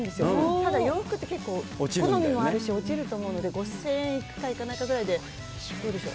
ただ洋服って、結構好みもあるし、落ちると思うので、５０００円いくかいかないぐらいかで、どうでしょう。